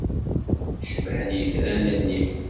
Cebḥen yitran-nni.